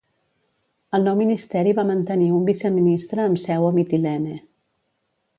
El nou ministeri va mantenir un viceministre amb seu a Mitilene.